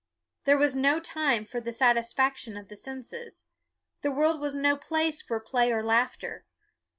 There was no time for the satisfaction of the senses. The world was no place for play or laughter.